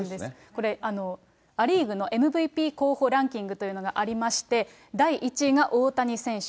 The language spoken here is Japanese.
これ、ア・リーグのＭＶＰ候補ランキングというのがありまして、第１位が大谷選手。